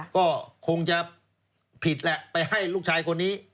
ก็คงจะผิดแหละไปให้ลูกชายคนนี้